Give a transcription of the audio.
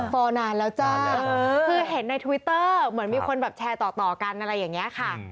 นานแล้วจ้าคือเห็นในทวิตเตอร์เหมือนมีคนแบบแชร์ต่อกันอะไรอย่างนี้ค่ะ